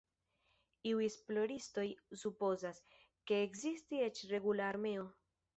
Iuj esploristoj supozas, ke ekzistis eĉ regula armeo.